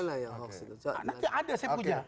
nanti ada saya punya